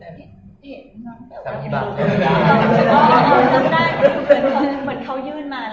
เหมือนเธอหยื่นมาไอ้ผู้ชมดูแล้วก็